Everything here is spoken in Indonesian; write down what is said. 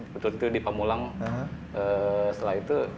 betul betul dipanggilan mulai setelah itu